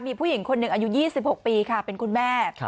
มีผู้หญิงคนหนึ่งอายุ๒๖ปีค่ะเป็นคุณแม่